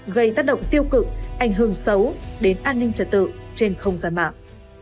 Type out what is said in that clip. gây tác động tiêu cự ảnh hưởng xấu đến an ninh trở tự trên không gian mạng